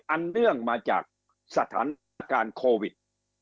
เนื่องมาจากสถานการณ์โควิด